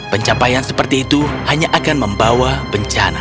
pencapaian seperti itu hanya akan membawa bencana